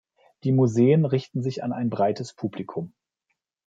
Die Museen richten sich an ein breites Publikum.